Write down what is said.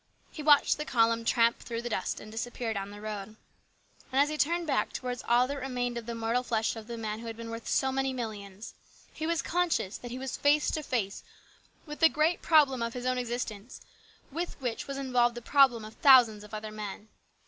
He watched the column tramp through the dust and disappear down the road. And as he turned back towards all that remained of the mortal flesh of the man who had been worth so many millions, he was conscious that he was face to face with the great problem of his own existence, with which was involved the problem of thousands of other men.